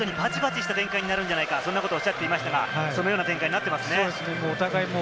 試合前にバチバチした展開になるんじゃないかとおっしゃっていましたが、そのような展開になっていますね。